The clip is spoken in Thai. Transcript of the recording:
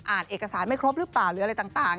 เอกสารไม่ครบหรือเปล่าหรืออะไรต่าง